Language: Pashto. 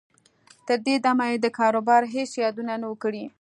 تر دې دمه یې د کاروبار هېڅ یادونه نه وه کړې